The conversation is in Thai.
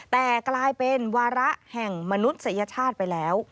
แต่กลายเป็นวาระแห่งมนุษยชาติไปแล้ว